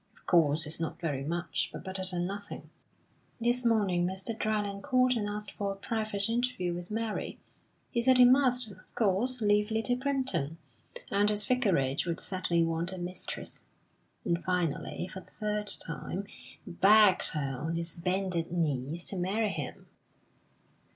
Of course, it's not very much, but better than nothing. This morning Mr. Dryland called and asked for a private interview with Mary. He said he must, of course, leave Little Primpton, and his vicarage would sadly want a mistress; and finally, for the third time, begged her on his bended knees to marry her.